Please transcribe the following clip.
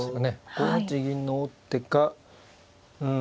５八銀の王手かうん。